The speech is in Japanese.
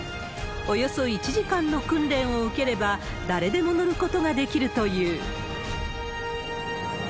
およそ１時間の訓練を受ければ、誰でも乗ることができるという。